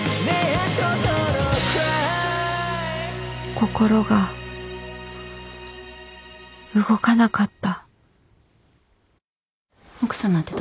心が動かなかった